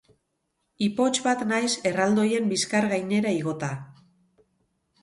Ipotx bat naiz erraldoien bizkar gainera igota.